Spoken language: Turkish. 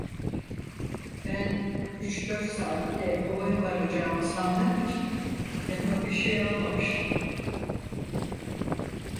Ben üç dört saatte obaya varacağımı sandığım için yanıma bir şey almamıştım.